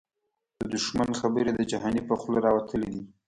د دښمن خبري د جهانی په خوله راوتلی دې